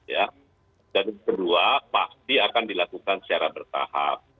jadi kedua pasti akan dilakukan secara bertahap